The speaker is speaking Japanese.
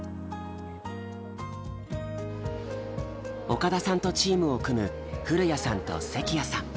岡田さんとチームを組む古谷さんと関谷さん。